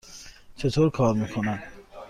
چطور کار می کند؟